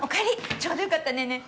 ちょうどよかったねえねえ